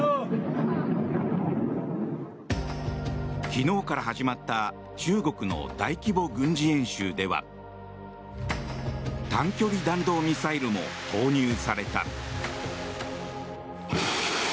昨日から始まった中国の大規模軍事演習では短距離弾道ミサイルも投入された。